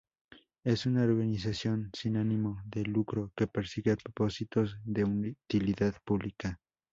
Es una organización sin ánimo de lucro que persigue propósitos de utilidad pública.